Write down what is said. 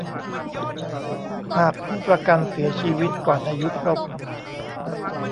หากผู้ประกันเสียชีวิตก่อนอายุครบ